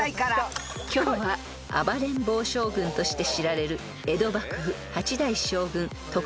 ［今日は『暴れん坊将軍』として知られる江戸幕府］